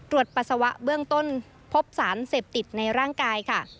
ปัสสาวะเบื้องต้นพบสารเสพติดในร่างกายค่ะ